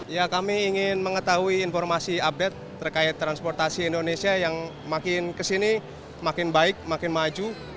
ya kami ingin mengetahui informasi update terkait transportasi indonesia yang makin kesini makin baik makin maju